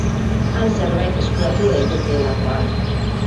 Han zerbait eskuratu daitekeelakoan.